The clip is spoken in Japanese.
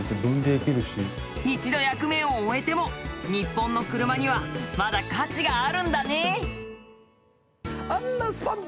一度役目を終えても日本の車にはまだ価値があるんだね。